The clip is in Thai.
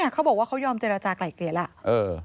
เขาบอกว่าเขายอมเจรจากลายเกลี่ยแล้ว